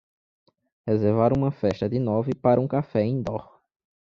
reservar uma festa de nove para um café indoor